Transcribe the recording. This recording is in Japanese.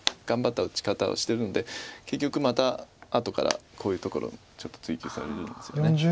頑張った打ち方をしてるんで結局また後からこういうところちょっと追及されるんですよね。